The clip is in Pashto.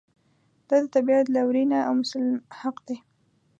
دا د طبعیت لورېینه او مسلم حق دی.